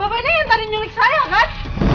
bapak ini yang tadi nyurik saya kan